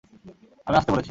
আমি আসতে বলেছি।